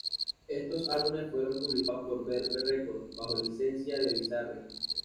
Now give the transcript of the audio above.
Estos álbumes fueron publicados por Verve Records bajo licencia de Bizarre.